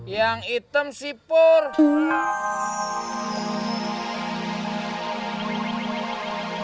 yang hitam si purr